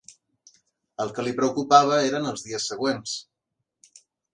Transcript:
El que li preocupava eren els dies següents.